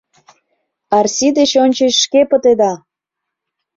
Арси деч ончыч шке пытеда!